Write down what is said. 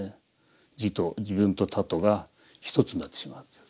自分と他とが一つになってしまうっていう。